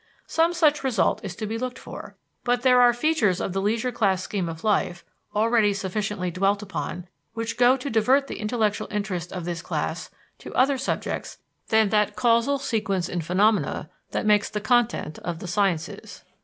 Some such result is to be looked for, but there are features of the leisure class scheme of life, already sufficiently dwelt upon, which go to divert the intellectual interest of this class to other subjects than that causal sequence in phenomena which makes the content of the sciences.